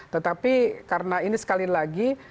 tetapi karena ini sekali lagi